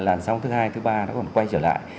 làn sóng thứ hai thứ ba nó còn quay trở lại